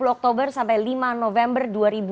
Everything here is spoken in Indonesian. tiga puluh oktober sampai lima november dua ribu dua puluh dua